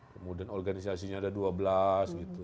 kemudian organisasinya ada dua belas gitu